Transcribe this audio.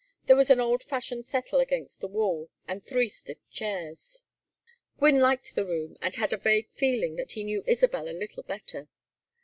There was an old fashioned settle against the wall and three stiff chairs. Gwynne liked the room, and had a vague feeling that he knew Isabel a little better.